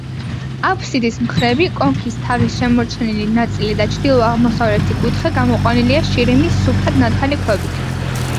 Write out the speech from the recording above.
აფსიდის მხრები, კონქის თაღის შემორჩენილი ნაწილი და ჩრდილო-აღმოსავლეთი კუთხე გამოყვანილია შირიმის სუფთად ნათალი ქვებით.